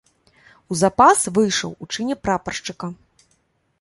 У запас выйшаў у чыне прапаршчыка.